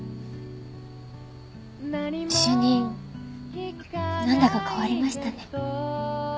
主任なんだか変わりましたね。